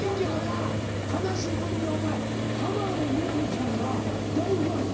悲しいことに浜辺美波ちゃんが大ファンやねん。